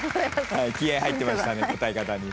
気合入ってましたね答え方に。